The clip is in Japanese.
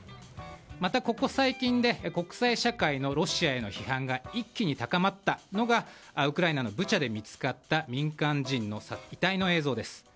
またここ最近で国際社会のロシアへの批判が一気に高まったのがウクライナのブチャで見つかった民間人の遺体の映像です。